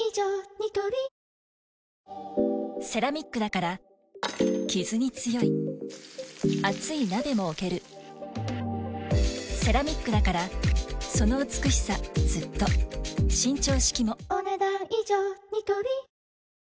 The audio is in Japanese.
ニトリセラミックだからキズに強い熱い鍋も置けるセラミックだからその美しさずっと伸長式もお、ねだん以上。